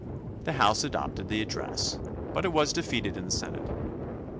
The House adopted the address but it was defeated in the Senate.